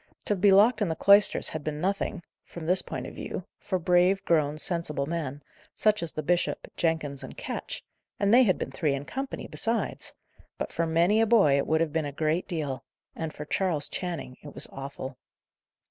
To be locked in the cloisters had been nothing (from this point of view) for brave, grown, sensible men, such as the bishop, Jenkins, and Ketch and they had been three in company, besides but for many a boy it would have been a great deal; and for Charles Channing it was awful.